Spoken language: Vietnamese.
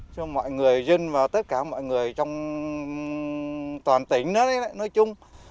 cho mọi người dân và tất cả mọi người trong toàn tỉnh nói chung